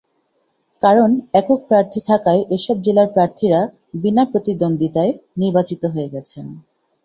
কারণ, একক প্রার্থী থাকায় এসব জেলার প্রার্থীরা বিনা প্রতিদ্বন্দ্বিতায় নির্বাচিত হয়ে গেছেন।